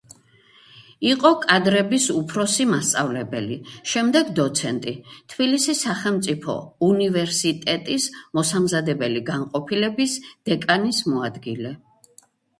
იყო კადრების უფროსი მასწავლებელი, შემდეგ დოცენტი, თბილისის სახელმწიფო უნივერსიტეტის მოსამზადებელი განყოფილების დეკანის მოადგილე.